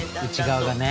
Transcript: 内側がね。